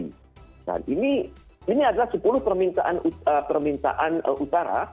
nah ini adalah sepuluh permintaan utara